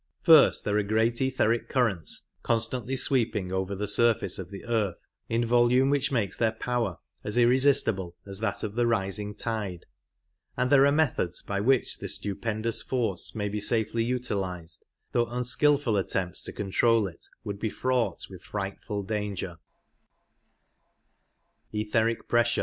First, there are great etheric currents constantly sweeping over the currenu surface of the earth from pole to pole in volume which makes their power as irresistible as that of the rising tide, and there are methods by which this stupendous force may be safely utilized, though unskilful attempts to control it would be fraught with frightful danger.